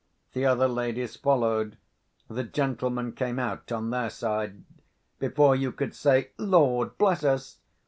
The other ladies followed; the gentlemen came out on their side. Before you could say, "Lord bless us!"